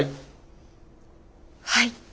はい。